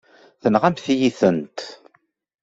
Tenɣamt-iyi-tent.